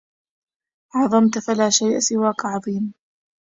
عظمت فلا شيء سواك عظيم